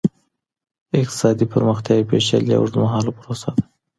اقتصادي پرمختيا يوه پېچلې او اوږدمهاله پروسه ده.